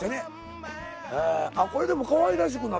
これでもかわいらしくなった。